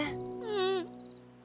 うん。